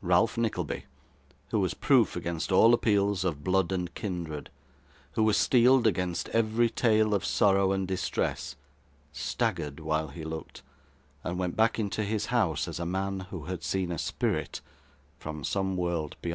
Ralph Nickleby, who was proof against all appeals of blood and kindred who was steeled against every tale of sorrow and distress staggered while he looked, and went back into his house, as a man who had seen a spirit from some world bey